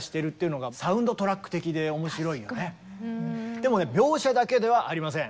でもね描写だけではありません。